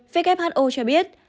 who cho biết